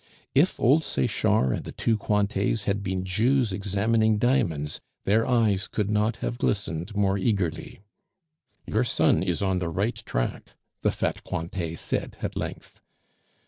If old Sechard and the two Cointets had been Jews examining diamonds, their eyes could not have glistened more eagerly. "Your son is on the right track," the fat Cointet said at length.